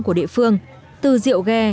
của địa phương từ rượu ghe